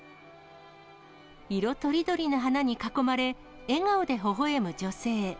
色とりどりの花に囲まれ、笑顔でほほえむ女性。